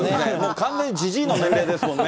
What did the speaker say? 完全にじじいの年齢ですもんね。